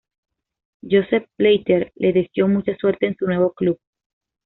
Joseph Blatter le deseó mucha suerte en su nuevo club.